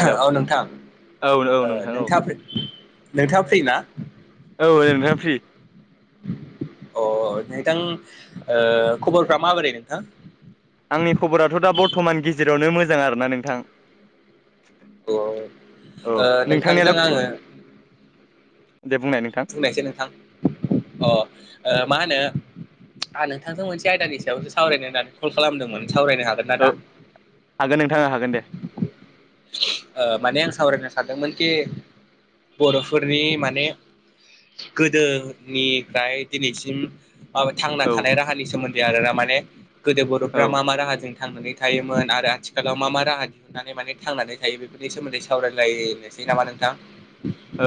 Hello औ नोंथां औ औ ओ नोंथां औ नोंथाङा नोंथाङा फ्रि ना? औ नोंथां फ्रि अ नोंथां ओ खबरफ माबोरै नोंथां? आंनि खबराथ' दा बर्थमान गेजेरावनो मोजां आरोना नोंथां। औ औ ओ नोंथांजों नोंथांनियालाय आङो दे बुंनाय नोंथां। नोंथां मा होनो आं नोंथांजों मोनसे आयदानि सायावसो सावरायनो होन कल खालामदोंमोन सावरायनो हागोन ना औ दा? हागोन नोंथां हागोन दे माने आं सावरायनो सानदोंमोन कि बर'फोरनि माने गोदोनिफ्राय दिनैसिम थांना औ थानाय राहानि सोमोन्दै आरोा माने गोदो औ बर'फ्रा मा मा राहाजों। थांनानै थायोमोन आरो आथिखालाव मा मा राहा दिहुननानै माने थांनानै थायो बेफोरनि सोमोन्दै सावरायलायनोसै नामा नोंथां?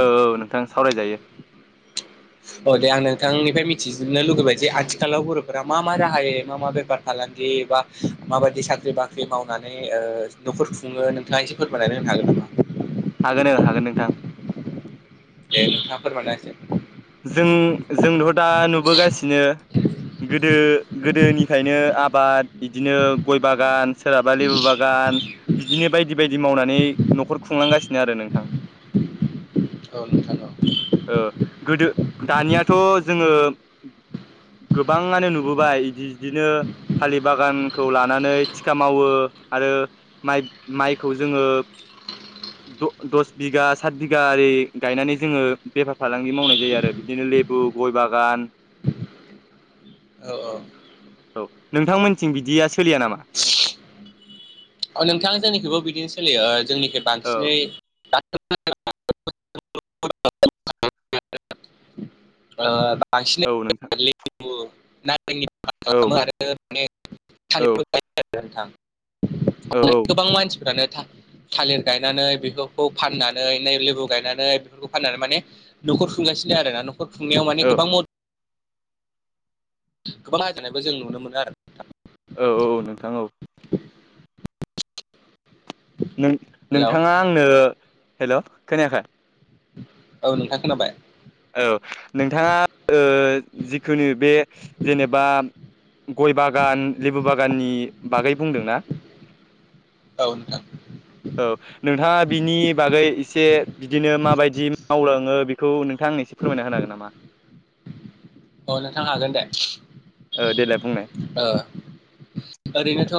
औ नोंथां सावरायजायो औ दे आं नोंथांनिफ्राय मिथिजनो लुगैबाय जे आथिखालाव बर'फोरा मा मा राहायै मा मा बेफार फालांगि बा माबायदि साख्रि बाख्रि मावनानै न'खर खुङो नोंथाङा एसे फोरमायनानै होनो हागोन नामा। हागोन हागोन नोंथां दे नोंथाङा फोरमायना होसै जों जोंथ' दा नुबोगासिनो। गोदो गोदोनिफ्रायनो आबाद बिदिनो गय बागान सोरहाबा लेबु बागान बिदिनो बायदि बायदि मावनानै न'खर खुंलांगासिनो आरो नोंथां औ नोंथां। गोदो दानियाथ' जोंङो गोबाङानो नुबोबाय बिदि बिदिनो फालि बागानखौ लानानै थिखा मावो आरो माइ माइखौ जोंङो दस बिघा सात बिगा ओरै गायनानै जोङो बेफार फालांगि मावनाय जायो आरो बिदिनो लेबु गय बागान औ औ औ नोंथांमोनथिं बिदिया सोलिया नामा? नोंथाङा जोंनिखैबो बिदिनो सोलियो जोंनिखै औ बांसिनै ओ बांसिन औ नोंथां औ [unintelligible] औ [unintelligible] औ औ। गोबां मानसिफ्रानो था थालिर गायनानै बेफोरखौ फाननानैै लेबु गायनानै बेफोरखौ फाननानै माने न'खर खुंगासिनो आरो ना न'खर खुंनायाव माने औ गोबां गोबां रायजेनानायबो जों नुनो मोनो आरो औ औ नोंथां औ [unintelligible] नों हेलौ नोंथाङा आंनो हेल' खोनायाखै? औ नोंथांखोनाबाय औ नोंथाङा जिखुनु बे जेनेबा गय बागान लेबु बागाननि बागै बुंदोंना? औ नोंथां। औ। नोंथाङा बिनि बागै एसे बिदिनो माबायदि मावलाङो बेखौ नों नथ आं एसे फोरमना होन हागोनामा? अ नोंथां हागोन दे देलाय बुंनाय ओ ओरैनोथ'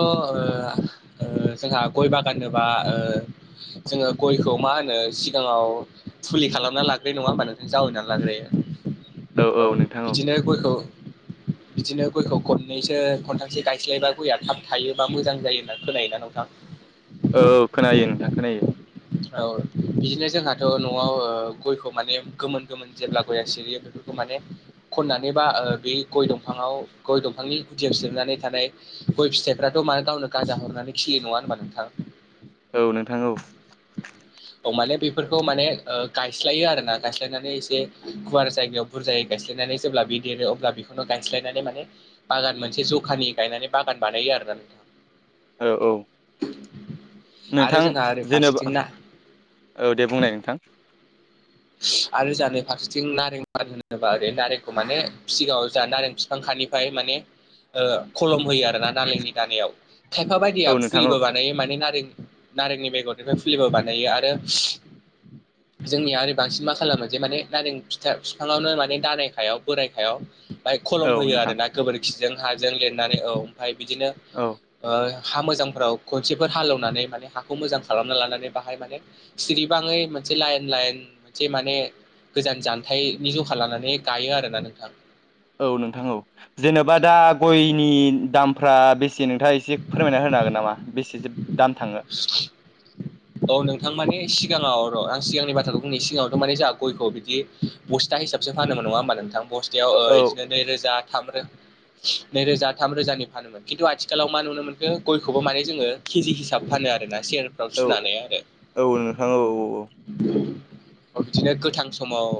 जोंहा गय बागानोबा जोङो गयखौ मा होनो सिगाङाव फुलि खालामना लाग्रो नङा होमबानो जों जावैनानै लाग्रोयो। [unintelligible] औ बिदिनो गयखौ बिदिनो गयखौ खननैसो खनथामसो गायस्लायबा गयआ थाब थाइयो बा मोजां जायो होनना खोनायोना नोंथां? औ खोनायो नोंथां खोनायो। औ बिदिनो जोंहाथ' न'आव ओ गयखौ माने गोमोन गोमोन जेब्ला गयआ सिरियो बेफोरखौ माने खननानै बा ओ बे गय दंफाङाव गय दंफांनि गुदियाव सिरिनानै थानाय गय फिथाइफ्राथ' मा गावनो गाजा हरनानै खिलियो नङा होनबा नोंथां? औ नोंथां औ। औ माने बेफोरखौ माने ओ गायस्लायो आरोना गायस्लायनानै एसे गुवार जायगायाव बुरजायै गायस्लायनानै जेब्ला बे देरो अब्ला बेखौनो गायस्लायनानै माने बागान मोनसे जखानि गायनानै बागान बानायो आरो ना नोंथां। औ औ। आरो नोंथां जोंहा ओरै जेन'बा फारसेथिं नाहा औ दे बुंनाय नोंथां। आरो जोहा नै फारसेथिं नारें मार होनोबा ओरै नारेंखौ माने सिगाङाव जाहा नारें फि फांखानिफ्राय माने ओ खलम होयो आरो ना नालेंनि दालायाव। खायफा बायदिया औ नोंथां औ फुलिबो बानायो माने नारें नारेंनि बेगरनिफ्राय फुलिबो बानायो आरो जोंनिया आरो बांसिन मा खालामो जे माने नारें फिथा बिफाङावनो माने दालायखायाव बोराय खायाव ओमफाय औ खलम होयो नोंथां आरोना गोबोरखिजों हाजों लिरनानै औ ओमफाय बिदिनो औ ओ हा मोजांफ्राव खनसेफोर हालेवनानै माने हाखौ मोजां खालामना लानानै बाहाय माने सिरि बाङै मोनसे लाइन लाइन से माने गोजान जानथाइनि जखा लानानै गाइयो आरोना नोंथां। औ नोंथां औ। जेनोबा दा गयनि दामफ्रा बेसे नोंथाङा एसे फोरमायना होनो हागोन नामा बेसेसो दाम थाङो? [unintelligible] औ नोंथां मानि सिगाङाव र' आं सिगांनि बाथ्राखौ बुंनि सिगाङावथ' माने जोंहा गयखौ बिदि बस्था हिसाबसो फानोमोन नङा होमबा नोंथां बस्थायाव ओ औ इदिनो नै रोजा थाम रो नै रोजा थाम रोजानि फानो। खिन्थु आथिखालाव मा नुनो मोनखो गयखौबो माने जोङो केजि हिसाब फानो आरो ना सेयारफ्राव औ सुनानै आरो। औ नोंथां औ बिदिनो गोथां समाव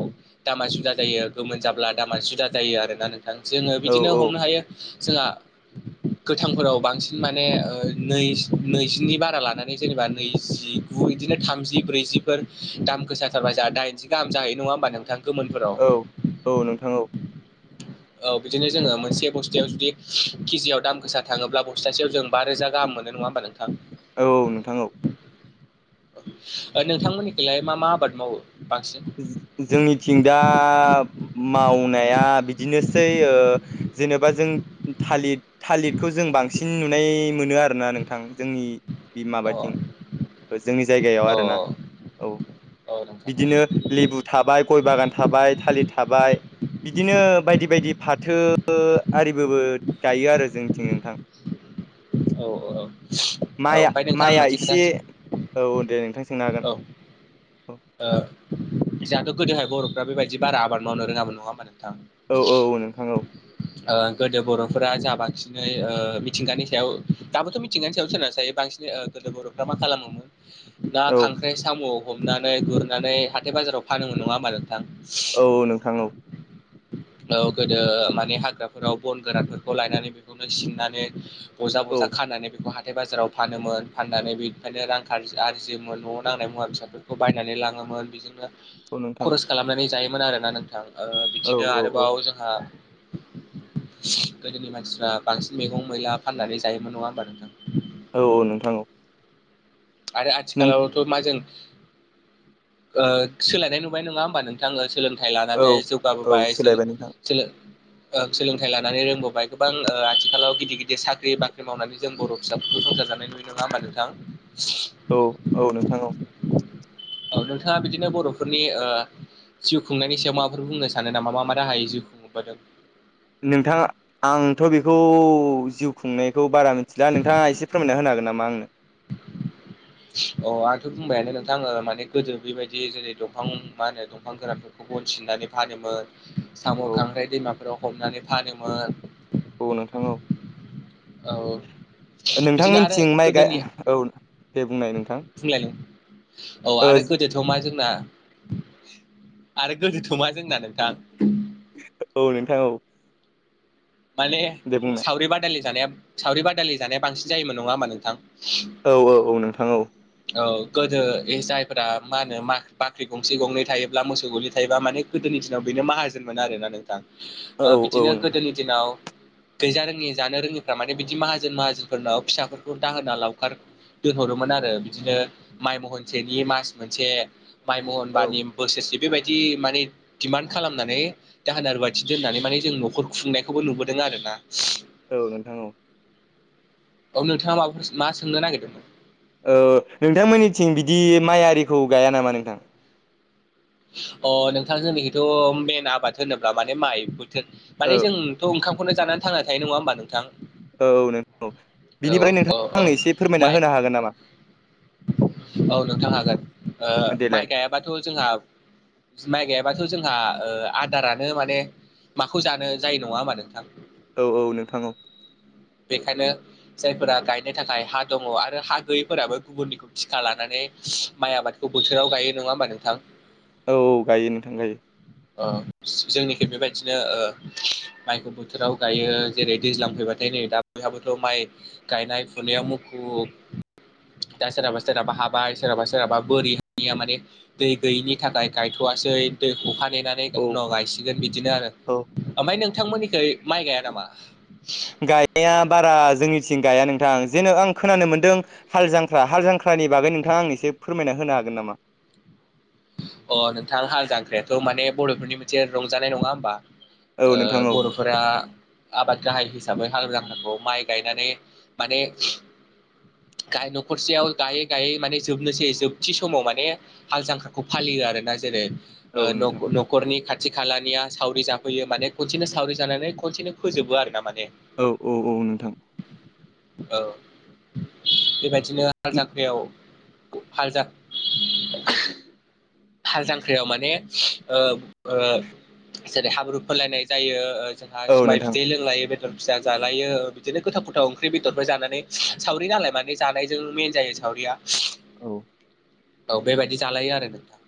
दामा जुदा जायो गोमोन जाब्ला दामा जुदा जायो आरोना नों थां जोङो औ बिदिनो औ हमनो हायो जोंहा गोथांफोराव बांसिन माने ओ नै नैजिनि बारा लानानै जेनेबा नैजिगु इदिनो थामजि ब्रैजिफोर दाम गोसाथारबा जाहा दाइनजि गाहाम जाहैयो नङा होमबा नों थां गोमोनफोराव। औ औ नोंथां औ। औ बिदिनो जोङो मोनसे बस्थायाव जुदि केजियाव दाम गोसा थाङोब्ला बस्थासेयाव जों बा रोजा गाहाम मोनो नङा होमबा नोंथां? औ औ नोंथां औ। ओ नोंथांमोननिखैलाय मा मा आबाद मावो बांसिन? जोंनिथिं दा मावनाया बिदिनोसै ओ जेनेबा जों थालिद थालिरखौ जों बांसिन नुनाय मोनो आरोना नोंथां जोंनि बि अ माबाथिं जोंनि जायगायाव अ आरोना औ औ नोंथां बिदिनो लेबु थाबाय, गय बागान थाबाय, थालिद थाबाय। बिदिनो बायदि बायदि फाथो आरिबोबो गाइयो आरो जोंनिथिं नोंथां। औ ओ ओ। माइआ माइआ एसे औ दे नोंथां सोंनो औ हागोन। ओ जोंहाथ' गोदोहाय बर'फ्रा बेबायदि बारा आबाद मावनो रोङाबो नङा होमबा नोंथां। औ औ नोंथां औ। गोदो बर'फोरा जा बांसिनै मिथिंगानि सायाव दाबोथ' मिथिंगानि सायाव सोनार जायो बांसिनै बर'फ्रा मा खालामोमोन। ना औ खांख्राइ साम' हमनानै गुरनानै हाथाय बाजाराव फानोन नङा होमा नों थां। औ औ नोंथां औ औ गोदो माने हाग्राफोराव बन गोरानफोरखौ लायनानै बेखौनो सिननानै बजा औ बजा खानानै बेखौ ह हााथथाय बाजाराव फानोमोन फाननानै बेनिफ्रायनो रां आरजियोन न'आव नांनाय मुवा बेसाादफोरखौ। खौ बायनानै लाङोमोन बेजोंनो औ नोंथां। खरस खालामनानै जायोमोन आरोना नोंथां औ बिदिनो औ औ आरोबाव जोंहा गोदोनि मानसिफ्रा बांसिन मैगं मैला फाननानै जायोमोन नङा होमबा नोंथां। औ औ नोंथां औ। आरो नों आथिखालावथ' मा जों सोलायनाय नुबाय नङा होमबा नोंथाङो सोलोंथाइ औ लानानै औ जौगाबोबाय सोलायबाय नोंथां सोलोंथाइ लानानै रोंबोबाय गोबां आथिखालाव गिदिर गिदिर साख्रि बाख्रि मावनानै जों बर' फिसाफोरखौ संसार जानाय नुयो नङा होमा नोंथां। औ औ नोंथां औ। औ नोंथाङा बिदिनो बर'फोरनि ओं जिउ खुंनायनि सायाव माबाफोर बुंनो सानो नामा मा मा राहायै जिउ खुंहबोदों? नोंथाङा आंथ' बेखौ जिउ खुंनायखौ बारा मोन दा नोंथाङा एसे फोरमायना होन हागोन नामा आंनो? [inaudible] अ आंथ' बुंबायानो नोंथां आो माने गोदो बेबायदि जेरै दंफां मा होनो दंफां गोरान गन सिननानै फानोमोन साम' औ खांख्राइ दैमाफोराव हमनानै फानोमोन। औ नोंथां। औ। नोंथां बिदिनो आरो मिनथिं माइ गाय गोदोनि औ दे बुंनाय नोंथां। औ ओ आरो को गोदोथ' मा जोंना आरो गोदोथ' मा जोंना नोंथां। औ नोंथां औ। माने दे बुं। सावरि बादालि जानाया सावरि बादालि जानाया बांसिन जायोमोन नङा होमा नोंथां? औ औ औ नोंथां औ। औ गोदो जायफ मा होनो बाख्रि गंसे गंनै थायोब्ला मोसौ गलिै थायोबा माने गोदोनि दिनाव बेनो माहाजोनमोन आर ना नोंथां औ औ बिदिनो नोंथां गोदोनि दिनाव गैजा रोङि जानो रोङिफ्रा माने बिदि माहाजोन माहाजोनफोरनाव फिसाफोरखौ दाहोना लावखार दोनहरोमोन आरो बिदिनो माइ महनसेनि मास मोनसे माइ औ महनबानि बोसोरसे बेबायदि माने डमान्ड खालामनानै दाहोना रुवाथि दोननानै माने जों न'खर खुंनायखौ बे खौबो नुबोदों आरो ना। औ नोंथां औ। औ नोंथाङा माबाफोर मा सोंनो नागिरदोंमोन? औ नोंथांमोननिथिं बिदि माइ आरिखौ गाया नामा नोंथां? अ नोंथां जोंनि हथ' मेन आबाद होनोब्ला माने माइ बोथोर औ माने जों थ' ओंखामनो जानानैांना थायो नङा होमबा नोंथां। औ नों औ बिनिफ्राय औ औ नोंथाङा औ आंनो एसे फोरमायना माइ होनो हागोन नामा? औ नोंथां हागोन देलाय माइ गायाबाथ' जोंहा बि माइ गाययाबाथ' जोंहा आदारानो माने माखौ जानो जायो नङा होमा नोंथां? औ औ नोंथां औ। बेखायनो जायफोरा गायनो थाखाय हा दङ आरो हा गैयैफोराबो गुबुननिखौ थिखा लानानै माइ आबादखौ बोथोराव गायो, नङा होमबा नोंथां? औ औ गायो नोंथां गायो। [inaudible] जोंनिखि बेबायदिनो माइखौ बोथोराव गायो। जेरै दैज्लां फैबाथाय नै दा बयहाबोथ' माइ गायनाय फुनायाव मुखुब। दा सोरहाबा सोरहाबा हाबाय। सोरहाबा सोरहाबा बोरि हानिया माने दै गैयिनि थाखाय गायथ'वसै। दैखौ हा ग्लिनानै औ उनाव गायसिगोन बिदिनो आरो औ ओमफ्राय नोंथांमोननिखै माइ गाया नामा? गाइा बारा जोंनिथिं गाया नोंथां। जेन' आं खोनानो मोनदों हाल जांख्रा हाल जांख्रानि बागै नोंथाङा आंनो एसे फोरमायना होनो हागोन नामा? अ नोंथां हाल जांख्रायाथ' माने बर'फोरनि मोनसे रंजानाय नङा होमबा। औ ओ नोंथां औ बर' फोर आबाद गाहाय हिसाबै हाल जांख्राखौ माइ गायनानै माने गाय न'खरसेयाव गायै गायै माने जोबनोसै जोबथि समाव माने हाल जांखालखौ फालियो आरो ना जेरै औ ओ न' नोंथां न' नखरनि खाथि खालानिया सावरि जाफैयो माने खनसेनो सावरि जानानै खनसेनो फोजोबो आरोना माने। औ औ औ नोंथां। औ बेबायदिनो जांख्रायाव हाल जां हाल जांख्रियाव माने ओब ओ जेरै हाब्रु फोनलायनाय जायो। जोंहा औ माइ नोंथां बिदै लोंलायो। बे - दर फिसा जालायो बिदिनो गोथाव गोथाव ओंख्रि बेदरफोर जानानै सावरि नालाय माने जानायजों मेन जायो। सावरिया। औ। औ बेबायदि जालायो आरो नोंथां।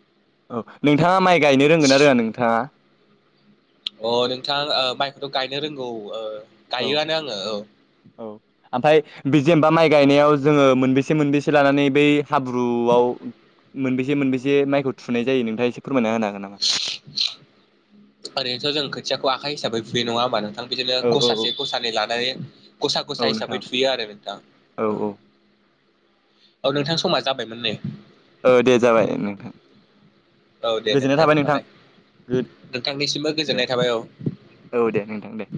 औ नोंथाङा माइ गायनो रोंगोनना रोङा नोंथाङा? अ नोंथां माइखौथ' गायनो रोंगौ औ गायोआनो आङो औ। औ। ओमफ्राय बे जेनबा माइ गायनायाव जोङो मोनबेसे मोनबेसे लानानै बै हाब्रुआव मोनबेसे मोनबेसे माइखौ थुनाय जायो नोंथाङा एसे फोरमायना होनो हागोन नामा? ओरैनोथ' जों खोथियाखौ आखा हिसाबै फुयो नङा होमबा नोंथां? बिदिनो औ औ औ गसासे गसानै लानानै गसा औ गसा नोंथां हिसाबै थुयो आरो नोंथां। औ औ औ नोंथां समा जाबायमोन नेै। ओ दे जाबाय नोंथां। औ दे गोजोननाय नोंथां थाबाय होमबालाय। गो नोंथांनिसिमबो दे गोजोननाय थाबाय औ। औ दे नोंथां दे।